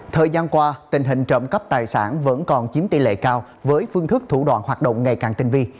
thời gian qua tình hình trộm cắp tài sản vẫn còn chiếm tỷ lệ cao với phương thức thủ đoạn hoạt động ngày càng tinh vi